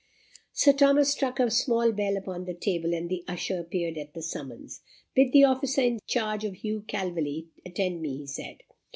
Sir Thomas struck a small bell upon the table, and the usher appeared at the summons. "Bid the officer in charge of Hugh Calveley attend me," he said.